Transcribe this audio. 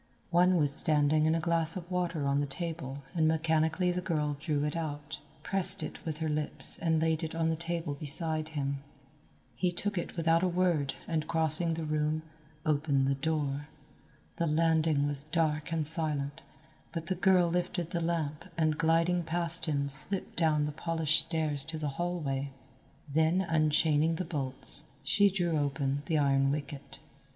One was standing in a glass of water on the table and mechanically the girl drew it out, pressed it with her lips and laid it on the table beside him. He took it without a word and crossing the room, opened the door. The landing was dark and silent, but the girl lifted the lamp and gliding past him slipped down the polished stairs to the hallway. Then unchaining the bolts, she drew open the iron wicket.